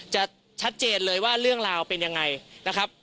ชัดเจนเลยว่าเรื่องราวเป็นยังไงนะครับ